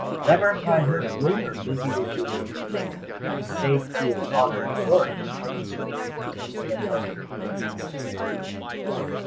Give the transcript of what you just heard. "Never have I heard rumour busy with your lordship's name, save to its honour and glory," observed Egerton, in a tone of convincing sincerity.